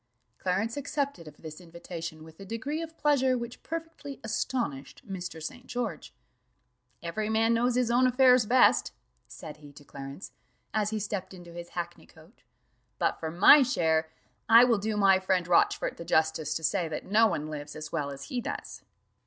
Clarence accepted of this invitation with a degree of pleasure which perfectly astonished Mr. St. George. "Every man knows his own affairs best," said he to Clarence, as he stepped into his hackney coach; "but for my share, I will do my friend Rochfort the justice to say that no one lives as well as he does."